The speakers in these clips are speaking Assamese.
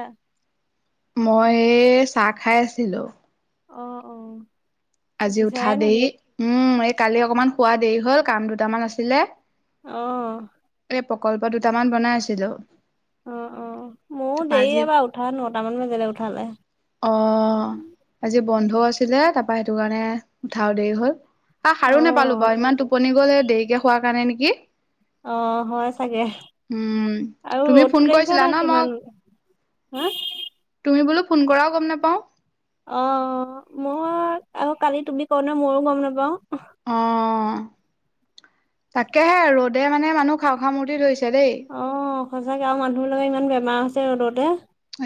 উ মই এই চাহ খাই আছিলো অ অ আজি উঠা উঠিছাহে নি? দেৰি উম এই কালি অকমান শোৱা দেৰি হল কাম দুটামান আছিলে আহ এই প্ৰকল্প দুটামান বনাই আছিলো অ অ ময়ো তাৰপা দেৰি আজি এবাৰ উঠা নটামান বাজিলে উঠা লৈ অ আজি বন্ধও আছিলে তাৰপা সেইটো কাৰণে উঠাও দেৰি হ'ল আহ সাৰো নাপালো অ', বাৰু ইমান টোপনি গল দেৰিকে হোৱাৰ কাৰণে নেকি অ হয় চাগে উম আৰু তুমি ফোন ৰ'দটো দেখিছা কৰিছিলা না ন মই কিমান, হাহ্। তুমি বোলো ফোন কৰাও গম নাপাওঁ। অ মই আৰু কালি তুমি কওঁ ন মইও গম নাপাওঁ। অ তাকেহে ৰ'দে মানে মানুহ খাওঁ খাাওঁ মূৰ্তি ধৰিছে দেই। অ', সঁচাকে আও মানুহ বিলাকৰ ইমান বেমাৰ হৈছে ৰ'দতে।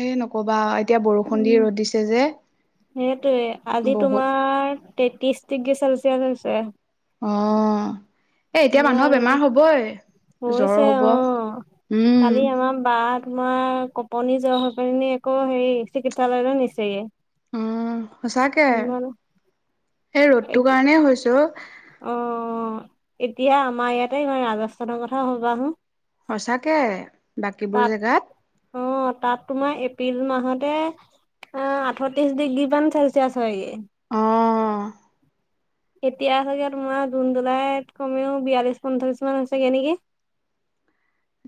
এ নকবা আও এতিয়া বৰষুণ দি উম, ৰ'দ দিছে যে। সেইটোৱে আজি বহুত তোমাৰ তেত্ৰিশ ডিগ্ৰী চেলচিয়াছ হৈছে। অহ্ এ এতিয়া ইমান মানুহৰ ৰ'দ বেমাৰ হবই, হৈছে জ্বৰ হব, অ'। কালি উম্। আমাৰ বা তোমাৰ কপনি জ্বৰ হৈ পিনে নি আকৌ হেৰি চিকিৎসালয়লৈ নিছে ইয়ে। সঁচাকৈ, এই ৰ'দটোৰ কাৰণে হৈছোঁ। অ এতিয়া আমাৰ ইয়াতে ইমান ৰাজস্থানৰ কথা ভবাহো। সচাকে বাকীবোৰ জেগাত, অ তাত তোমাৰ এপ্ৰিল মাহতে, অ আঠত্ৰিশ ডিগ্ৰী মান চেলচিয়াছ হয়গে। অহ্। এতিয়া চাগে তোমাৰ জুন জুলাইত কমেও বিয়াল্লিশ পঞ্চলিশ মান হৈছেগে নেকি?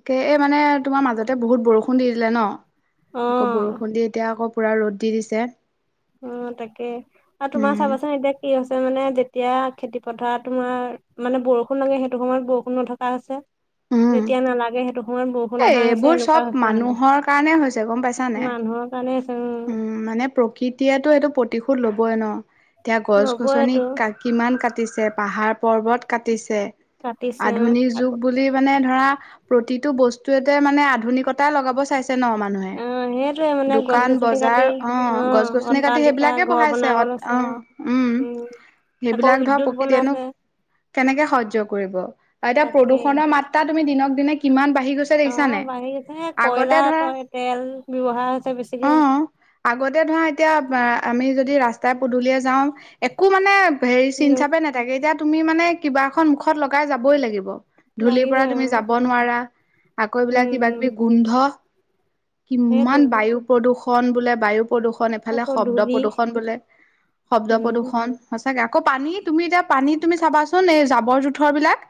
তাকে এই মানে তোমাৰ মাজতে বহুত বৰষুণ দি দিলে ন, অ আকৌ বৰষুণ দি এতিয়া আকৌ পুৰা ৰ'দ দি দিছে। অ তাকে আৰু তোমাৰ উম চাবাচোন এতিয়া কি হৈছে মানে যেতিয়া খেতিপথাৰত তোমাৰ মানে বৰষুণ লাগে সেইটো সময়ত বৰষুণ নথকা হৈছে। উম যেতিয়া নালাগে সেটো সময়ত এ বৰষুণ অহা হৈছে এইবোৰ চব এনেকুৱা হৈছে মানে, মানুহৰ কাৰণে হৈছে গম পাইছা নাই মানুহৰ কাৰণে উম মানে প্ৰকৃতিয়ে টো এইটো প্ৰতিশোধ লবই ন? এতিয়া গছ গছনি ল'বইটো কা কিমান কাটিছে পাহাৰ পৰ্বত কাটিছে কাটিছে অ আধুনীক আকৌ যুগ বুলি মানে ধৰা প্ৰতিটো বস্তু অতে মানে আধুনিকতা লগাব চাইছে। ছে ন মানুহে অ সেইটোয়ে মানে দু গছ কান গছনি বজাৰ কাটি অ গছ গছনি কাটি অট্টালিকা সেইবিলাকে ঘৰ বহাইছে বনাব অত লৈছে অ্ উম্। উম আকৌ সেইবিলাক ধৰ উদ্যোগ প্ৰকৃতিয়েনো বনাইছে কেনেকে সহ্য কৰিব আও এতিয়া তাকে প্ৰদূষণৰ মাত্ৰাত তুমি দিনক দিনে কিমান ব অ বাঢ়ি গৈছে কয়লাৰ ধৰা তই তেল ব্যয়ৱহাৰ হৈছে বেছি। অ আগতে ধৰা এতিয়া আমি যদি ৰাস্তাই পদূলিয়ে যাওঁ একো মানে হেৰি চিন নো চাপে নাথাকে এতিয়া তুমি মানে কিবা এখন মুখত লগাই যাবই লাগিব। ধূলিৰ লাগিবই পৰা তুমি আৰু যাব নোৱাৰা আকৌ এই উম বিলাক কিবা উম কিবি গোন্ধ। সেইটোৱে কিমান বায়ু প্ৰদূষণ বোলে বায়ু প্ৰদূষণ এফালে আকৌ শব্দ ধূলি প্ৰদূষণ বোলে শব্দ উম প্ৰদূষণ, ছাগে আকৌ পানী তুমি এতিয়া পানী তুমি চাবাচোন এই জাবৰ-জোঁথৰবিলাক।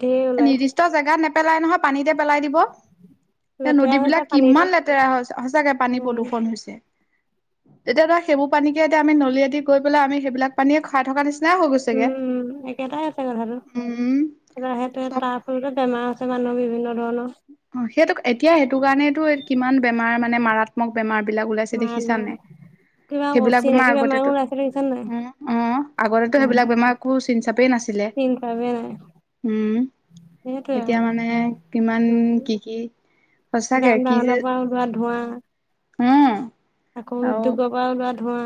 ঢেৰ ওলাই নিৰ্দিষ্ট জেগাত নেপেলাই নহয় পানীতে পেলাই দিব। সে লেতেৰা হৈছে নদীবিলাক পানীটো কিমান লেতেৰা সঁচাকে পানী উম প্ৰদূষণ হৈছে তেতিয়া ধৰা সেইবোৰ পানীকে এতিয়া আমি নলীয়েদি গৈ পেলে আমি সেইবিলাক পানীয়ে খাই থকা নিচ উম্ একেটাই আছে কথাটো উম সেটোয়ে চব তাৰ ফলতে বেমাৰ হৈ বিভিন্ন ধৰণৰ অ সেইটো এতিয়া সেইটো কাৰণেতো কিমান বেমাৰ মানে মাৰাত্মক বেমাৰ বিলাক ওলাইছে দেখিছানে। মাৰ কিবা সেইবিলাক বেমাৰ অচিনাকি বেমাৰো আগতেটো ওলাইছে দেখিছা নাই অ অ আগতেটো সেইবিলাক বেমাৰ একো চিন চাপেই নাছিল। চিন চাবে নাই। উম্ সেইটোৱে এতিয়া মানে আৰু কিমান উম্ কি উম কি সঁচাকে কি যে, ম উম আকৌ আৰু উদ্ধোগব গ ধোৱা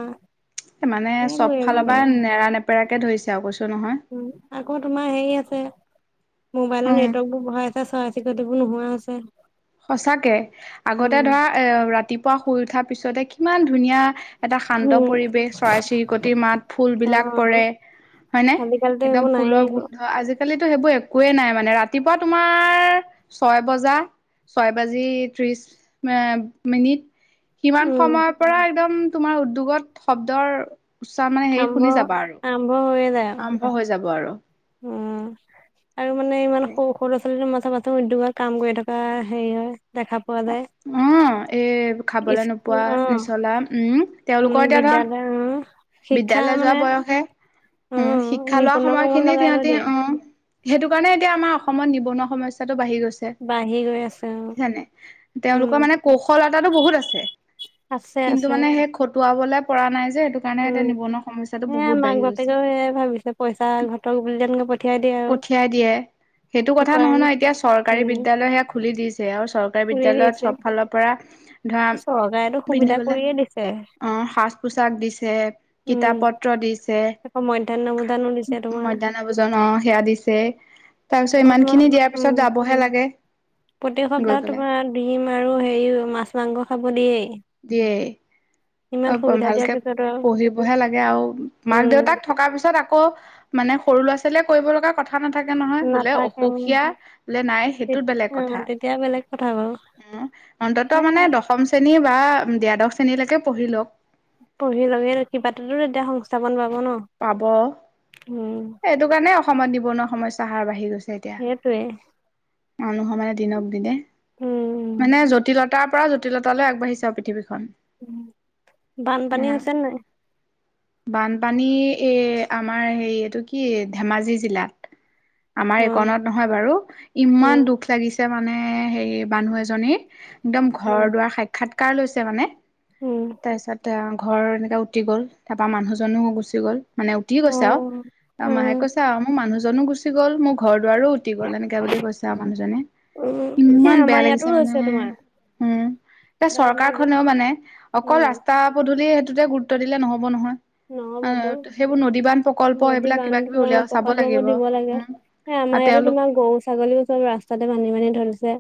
মানে চব সেইবোৰে ফালৰ মানে পৰা নেৰা নেপেৰাকে ধৰিছে আৰু কৈছো নহয়। উ আকৌ তোমাৰ হেৰি আছে মোবাইলৰ উম নেটৱৰ্ক বোৰ বঢ়াই আছে চৰাই চিকতিবোৰ নোহোৱা আছে সঁচাকে আগতে ধৰা এ ৰাতিপুৱা শুই উঠাৰ পিছতে কিমান ধুনীয়া এটা শান্ত উম পৰিৱেশ চৰাই চিৰিকটিৰ মাত অ ফুলবলাক পৰে হয় ন আজিকালিতো একদম এইবোৰ নায়েই ফুলৰ একো গোন্ধ আজিাল আজিকালিতো সেইবোৰ একোৱেই নাই মানে ৰাতিপুৱা তোমাৰ ছয় বজা ছয় বাজি ত্ৰিশ মিনিট সিমান উম সময়ৰ পৰা একদম তোমাৰ উদ্যোগত শব্দৰ উচ্চাৰ মানে হেৰি আৰম্ভ শুনি যাবা আৰু আৰম্ভ হৈয়ে যায় আৰু আৰম্ভ হৈ যাব আৰু উম আৰু মানে ইমান সৰু সৰু ছোৱালীো ম থ পাথ উদ্যোগত কাম কৰি থকা হেৰি হয় দেখা পোৱা যায়। উ এই খাবলে নোপোৱা স্কুল অ নিচলা উম তেওঁলোকৰ উম এতিয়া ধৰা বিদ্যালয় অ শিক্ষা বিদ্যয়ালয়লৈ যোৱা মানে বয়সে অ উ শিক্ষা লোৱা নিবনুৱা কামত সময়খিনিত লগাই থৈ সিহঁতি দিয়ে আহ সেইটো কাৰণে এতিয়া আমাৰ অসমত নিবনুৱা সমস্য়াটো বাঢ়ি গৈছে বাঢ়ি গৈ আছে অ জানে উম তেওঁলোকৰ মানে কৌশলতাটো বহুত আছে আছে কিন্তু আছে মানে সেই খটুৱাবলৈ পৰা নাই যে সটো কাৰণে উম এটা নিবনুৱ সমস্্যাটো সেয়া বহুত মাক বাঢ়ি গৈছে বাপেকেও সেয়াই ভাবিছে পইচা ঘটক বুলি তেনেকে পঠিয়াই দিয়ে আৰু পঠিয়াই দিয়ে সেইটো কথা উপায় নহয় ন নাই এতিয়া চৰকাৰী উম বিদ্য়ালয় সেয়া খুলি দিছে আৰু চৰ খুলি বিদ্্যালয়ত দিছে চব ফালৰ পৰা ধৰা চৰকাৰেতো সুবিধা পিন্ধিবলে কৰিয়ে দিছে অ সাজ পোছাক দিছে উম কিতাপ পত্ৰত দিছে আকৌ মধ্যাহ্ন ভোজনো দিছে তোমাৰ মধ্যাহ্ন ভোজন সেয়া দিছে তাৰ পিছত আকৌ ইমান খিনি দিয়াৰ পিছত যাবহে লাগে প্ৰ গৈ সপ্তাহত পেলাই তোমাৰ দিম আৰু হেৰি মাছ মাংস খাব দিয়েই দিয় ইমান অ সুবিধা দিয়াৰ ভালকে পিছত আৰু পঢ়িবহে লাগে আৰু মাক উম দেউতাক থকাৰ পিছত আকৌ মানে সৰু ল'ৰা ছোৱালীয়ে কৰিব লগা কথা খা নাথাকে নহয় বোলে নাথাকে অসুখীয়া বোলে নাই সেইটোত বেলেগ তেতিয়া অ কথা তেতিয়া বেলেগ কথা বাৰু উ অন্তত হে মানে দশম শ্ৰেণী বা দ্বাদশ শ্ৰেণীলৈকে পঢ়ি লওক পঢ়ি লগে কিবাতো তেতিয়া সংস্থাপন পাব ন পাব উম এইটো কাৰণে অসমত নিবনুৱা সমস্যা হাৰ বাঢ়ি গৈছে এতিয়া সেইটোৱে মানুহৰ মানে দিনক দিনে উম মানে জটিলতাৰ পৰা জটিলতাালৈ আগবাঢ়িছা আৰু পৃথিৱী বানপানী হৈছে নাই বানপানী এই আমাৰ হেৰি এইটো কি ধেমাজি জিলাত আমাৰ অ এককনত নহয় বাৰু ইমান উম দুখ লাগিছে মানে হেৰি মানুহ এজনী একদম ঘৰ উম দুৱাৰ সাক্ষাৎকাৰ লৈছে মানে উম তাৰপিছত ঘৰ এনেকৈ উটি গ'ল তাৰপৰা মানুহজনো গুচি গ'ল মানে উঠি অ গৈছে আৰু ত মাহে উম কৈছো আহ মোৰ মানুহজনো গুচি গ'ল মোৰ ঘৰত আৰুো উটি গ'ল এনেকাে বুলি কৈছ আৰু মানুহজনে উম সেই ইমান বেয়া আমাৰ ইয়াতো লাগিছে হৈছে মানে তোমাৰ উম এতিয়া চৰকাৰ খনেও মানে অকল উম ৰাস্তা পদূলি স তে গুৰুত্ব দিলে নহ'ব নহয় নহ'বতো সেইবোৰ নদীবান প্ৰকল্প নদী সেইবিলাক বান্ধ কিবা কিবি উলিয়া চাব লাগিব উম স আমাৰ ইয়াতো তোমাৰ গৰু ছাগলীবোৰ চব ৰাস্তাতে বান্ধি বানি ধৰিছে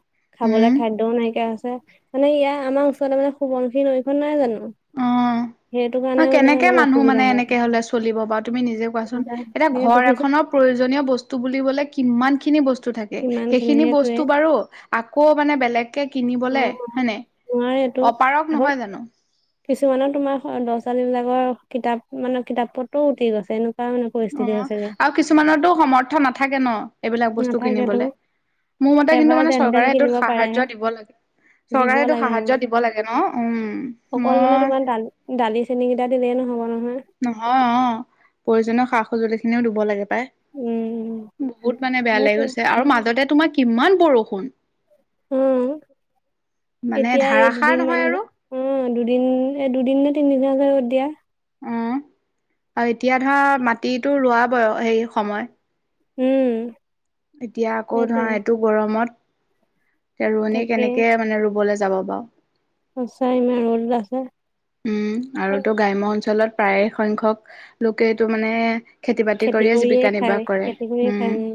উম খাবলৈ খাদ্্যও নাইকিয়া আছে মানে ইয়াৰ আমাৰ ওচৰতে মানে সুবনশী নৈখন নাই জানো অ সেইটো কাৰণে মানে কেনেকে অলপ মানুহ অসুবিধা হয়। হলে চলিব তুি নিজে কোন এতিৰ এ সেইটো কিছু প্ৰয়ো ব কিমান খিন বস্তু থে কিমান খিনি সেইখিনি সেইটোৱে বস্তু বাৰু আকৌ মানে বেগ অ কিনিবলে হয়নে নোৱাৰেটো অপাৰক আকৌ নহয় জানো? কিছুমানৰ তোমাৰ ল'ৰা-ছোৱালী বিলাকক কিতাপ মানে কিতাপ পত্ৰও দি আছে ন অ আৰু কিছুমানৰতো সমৰ্থ নাথাকে ন এইবিলাক বস্তু নাথাকেতো কিনিবলে। মোৰ মতে কিন্তু এবাৰ মানে যেন তেন চৰকাৰে কিনিব এইটোত পাৰেহে সাহাৰ্য্য দিব লাগে। দিব চৰকাৰে এইটো লাগে আমাৰ। সাহাৰ্য দিব লাগে ন, উম অকল মানে মই তোমাৰ দালি দালি চেনী কেইটা দিলেই নহব ন, নহয় অ প্ৰয়োজনীয় সা-সজুলিখিনিও দিব লাগে। উম, বহুত মানে বেয়া সেইটো লাগি গৈছে আৰু মাজতে তোমাৰ কিমান বৰষুণ। উম মানে এতিয়া এই ধাৰাসাৰ দুদিনমান নহয় আৰু উম দুদিন এ দুদিন তিনিদিনত যে ৰ'দ দিয়া উম আৰু এতিয়া ধৰা মাটিটো ৰোৱা বোৱা সেই সময় উম এতিয়া আকৌ ধৰা সেইটোৱে এইটো গৰমত তে ৰোৱনী তাকে কেনেকৈ মানে ৰুবলৈ যাব বাৰু চাই মে ৰ'দ লাগে উম আৰু টো গ্ৰাম্য অঞ্চলত প্ৰায়ে সংখ্যক লোকেটো মানে খেতি বাতি খেতি কৰিয়ে জীৱিকা খাই নিৰ্বাহ কৰে খেতি কৰিয়ে খাই উম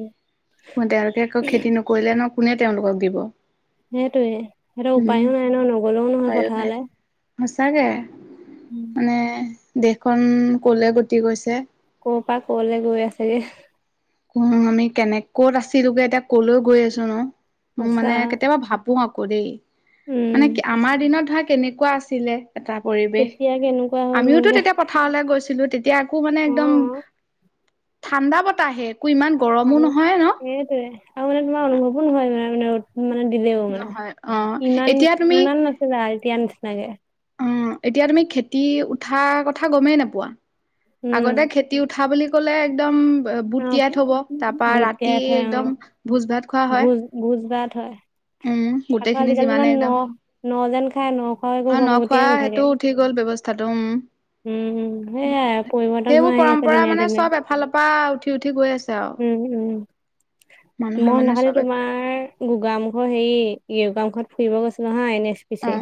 উম তেওঁলোকে আকৌ খেতি নকৰিলে ন কোনে তেওঁলোকক দিব সেইটোৱে সেইটো উম উপাইয়ো নাই নহয় নগলেও নহয় উপায়ো নাই পথাৰলৈ সঁচাকে মানে দেশখন কলে গতি কৰিছে কৰ পাৰ ক'লৈ গৈ আছেগে উ আমি কেনে ক'ত আছিলো বে এতিয়া ক'ল কৰি আছো ন উ সঁচা মানে কেতিয়াবা ভাবো আকৌ দেই উম মানে কি আমাৰ দিনত থৰ কেনেকুৱা আছিলে এটা পৰিৱেশ তেতিয়া কেনেকুৱা হৈ আমিওতো গ'লগে তেতিয়া পথাৰলৈ গৈছিল ছিলো তেতিয়া আকৌ মানে একদম অ ঠাণ্ডা বতাহে আকৌ ইমান গৰমো ভাল নহয় সেইটোৱে আৰু মানে তোমাৰ ন অনুভৱো নহয় মানে মানে ৰ'দ মানে দিলেও মানে নহয় অ ইমান এতিয়া তুমি ইমান নাছিলে আৰু এতিয়া নিচিনাকে অ এতিয়া তুমি খেতি উঠাৰ কথা গমেই নোপোৱা উম আগতে খেতি উঠা বুলি ক'লে একদম অ বুট তিয়াই থ'ব তাৰ পৰা বুট ৰাতি তিয়াই থয় অ একদম ভোজ-ভাত খোৱা হয় ভোজ ভোজ ভাত হয় উম আকৌ গোটেইখিনি আজিকালি ইমান যিমানেই ন একদম ন যেন খাই ন খোৱা একো অ গম নখোৱা গতিয়ে নাথাকে সেইটো উঠি গ'ল ব্যৱস্থাটো উম উম উম সেয়াই পৰিৱৰ্তন হৈ সেইবোৰ আহি আছে পৰম্পৰা দিনে মানে দিনে সব এফালৰ পৰা উঠি উঠি গৈ আছে আৰু উম উম মানুহে মই মানে নাখালে চবে তোমাৰ গাম ঘৰ হেৰি ইউ গাম কাৰ্ড ফুৰিব গৈছে নহয় নেক্সট অ পিছে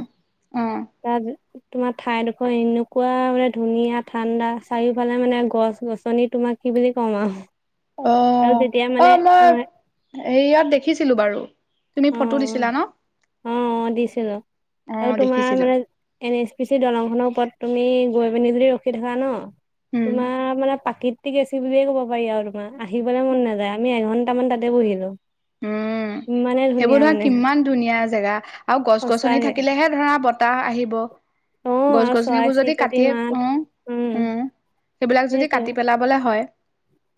অ তাৰ তোমাৰ ঠাইডোখৰ এনেকুৱা মানে ধুনীয়া ঠাণ্ডা চাৰিওফালে মানে গছ গছ-গছনি তোমাক কি বুলি কম আৰু অ আৰু তেতিয়া অ অ মানে মই ইয়াক দেখিছিলো বাৰু তুমি ফটো দিছিলা ন অ অ দিছিলো অ আৰু তোমাৰ দেখিছিলো মানে এন এছ পি চি দলংখনৰ ওপৰত তুমি গৈ পিনি যদি ৰকি থকা ন উম তোমাৰ মানে পাকিত টিক আছে বুলিয়েই ক'ব পাৰি আৰু তোমাৰ আহিবলৈ মন নাযায় আমি এঘণ্টামান তাতে বহিলোঁ উম উ মানে সেইবোৰ ধৰা কিমান ধুনীয়া জেগা আৰু গছ-গছনি সঁচাকে থাকিলেহে ধৰা বতাহ আহিব অ আৰু চৰাই গছ-গছনিবোৰ যদি চিৰিকটি কাটিয়ে মাত অ উম সেইবিলাক যদি সেইটোৱে কাটি পেলাবলে হ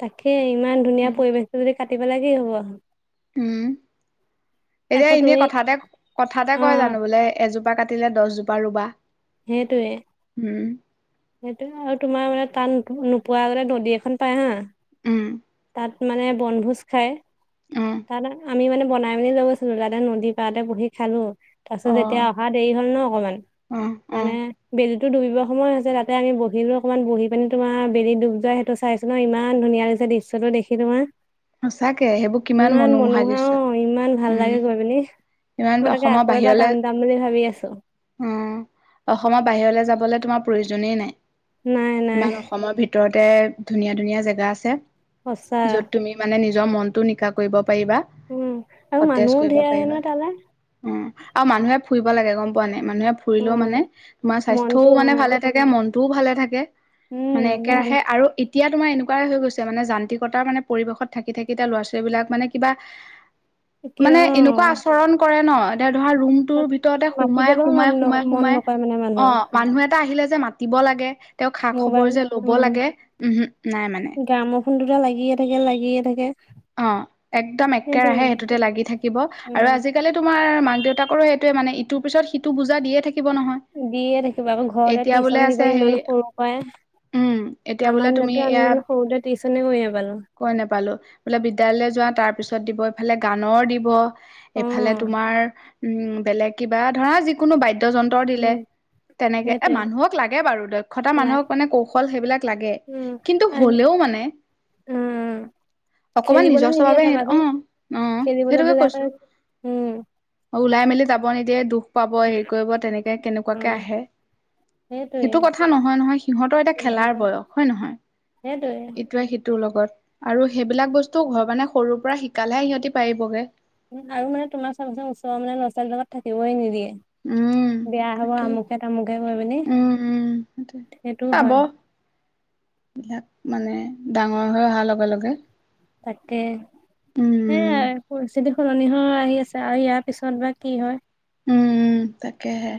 তাকে ইমান ধুনীয়া পৰিৱেশটো যদি কাটিব লাগে কি হ'ব উম এতিয়া আকৌ এনেই তুমি কথা এটা কথা এটাই অ কয় জানো বোলে এজোপ জোপা কাটিলে দহজোপা ৰুবা সেইটোৱে উম, সেইটোয়ে আৰু তোমাৰ মানে টান নোপোৱাগতে নদী এখন পাই হা উম তাত মানে বনভোজ খায় উম, আমি মানে বনাই মেলিলৈ গৈছিলো লাদা নদী পাঅতে বহি খালো তাৰপিছত যেতিয়া অ', অহা দেৰি হ'ল ন অকমান উম, উম। মানে বি টো ডুবিব সময় হাছে আমি বহিলোও অকণমান বহি পিনি তোমাৰ বেলি ডুব যোৱা সেইটো চাইছো ন ইমান ধুনীয়া লাগ দৃশ্যটো দেখি তোমাৰ সঁচাকে সেইবোৰ কিমান ইমান মনোমোহা মনোহা দৃশ্য অ ইমান ভাল উম, লাগে গৈ পিনি ইমান মই তাকে অসমৰ আকৌ এবাৰ বাহিৰলে যাম যাম বুলি ভাবি আছো উ অসমৰ বাহিৰলে যাব তোমাৰ প্ৰয়োজনেই নাই নাই নাই তোমাৰ অসমৰ ভিতৰতে ধুনীয়া ধুনীয়া জেগা সঁচা আছে য'ত তুমি মানে নিজৰ মনটো নিকা কৰিব পাইবা উম আৰু সতেজ মানুহো কৰিব ধেৰ আহে পাইবা নহয় তালে উম আৰু মানুহে ফুইব লাগে গম পোৱা নাই মানুহে ফুৰিলেও উম মানে তোমাৰ মনটো স্বাস্থ্যও অ মানে ভালে থাকে মনতটোও ভালে থাকে উম মানে মন একেৰাহে আৰু এতিয়া তোমাৰ এনেকুৱাই হৈ গৈছে মানে যান্ত্ৰিকতাৰ মানে পৰিৱেশত থাকি থাকি এ ল'ৰা ছোৱালীবিলাক মানে কিবা অকিও মানে এনেকুৱা আচৰণ কৰে ন এতিয়া ধৰ ৰুমটোৰ ভিতৰতে সোমাই মাতিবলৈও মান সোমাই ন সোমাই মন সোমাই নকৰে মানে অ মানুহৰ মানুহে এটা আহিলে যে মাতিব লাগে তেওঁক খা মোবাইল খবৰ যে ল'ব উম লাগে উম হম নাই মানে ফোন দুটা লাগিয়ে থাকে লাগিয়ে থাকে অ একদম সেইটোৱে একেৰাহে মানে সেইটোতে লাগি থাকিব আৰু উম আজিকালি তোমাৰ মাক দেউতাকৰো সেইটোৱে মানে ইটো পিচত সিটো বুজা দিয়ে থাকি দিয়ে থাকিব আকৌ ঘৰতে বোলে টিউশচন দিব আছে হেৰি ইমান সৰু পৰাই উম এতিয়া বোলে আমাৰ তুমি দিনটো আমি এয়া মানে সৰুতে টিউশচনে কৰিয়ে না কৈ নোপালো বোলে বিদ্যালয় যোৱা তাৰ পিছত দিব এইফালে গানৰ দিব, অ এইফালে তোমাৰ উম বেলেগ কিবা ধৰা যিকোনো বাদ্য যন্ত্ৰ দিলে উম তেনেকে এ সেইটোৱে মানুহক লাগে বাৰু দক্ষতা লাই মানুহক মানে কৌশল সেইবিলাক লাগে উম কিন্তু আজি হ'লেও মানে উম অকমান খেলিবলৈ নিজস্ব নিদিয়ে ভাবে অ চাবাচোন আহ খেলিবলৈ সেইটোকে দিলে কৈছো আকৌ উম অ ওলাই মেলি যাব নিদিয়ে দুখ পাব হেৰি কৰিব তেনেকে অ কেনেকুৱাকে আহে সেইটোৱে সেইটো কথা নহয় নহয় সিহঁতৰ এটা খেলাৰ বয়স হয় নহয় সেইটোৱে ইটোৱে সিটোৰ লগত আৰু সেইবিলাক বস্তু ঘ মানে সৰুৰ পৰা শিকালেহে সিহঁতি পাৰিবগে আৰু মানে তোমাৰ চাবা চন ওচৰৰ মানে লৰা ছোৱাল লগ লগত থাকিবই উম নিদিয়ে বেয়া হব তাকেই আমুকে তামুকে গৈ পিনি উম উম সেইটো হয় বিলাক মানে ডাঙৰ হৈ অহাৰ লগে লগে তাকে উম উম সেই পৰিস্থিতি সলনি হয় আহি আছে আৰু ইয়াৰ পিছত বা কি হয় উম তাকেহে! !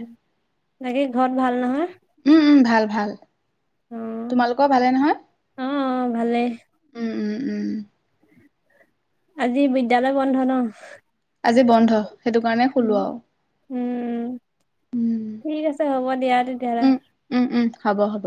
বাকী ঘৰত ভাল নহয়? উম উম ভাল ভাল অ তোমালোকৰ ভালে নহয়? অ ভালেই আজি বিদ্যালয় বন্ধ ন? আজি বন্ধ সেইটো কাৰণে শুলোঁ আও। উম ঠিক আছে হ'ব দিয়া তেতিয়াহ'লে উম উম উম হ'ব হ'ব।